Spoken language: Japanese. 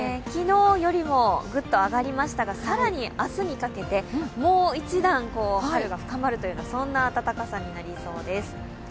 昨日よりもグッと上がりましたが、更に明日にかけて、もう一段春が深まるというか、そんな暖かさになりそうです。